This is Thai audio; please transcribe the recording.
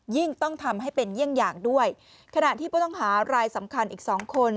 ต้องทำให้เป็นเยี่ยงอย่างด้วยขณะที่ผู้ต้องหารายสำคัญอีกสองคน